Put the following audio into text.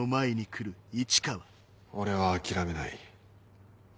俺は諦めない。